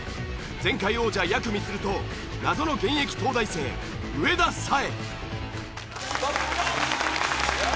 前回王者やくみつると謎の現役東大生上田彩瑛。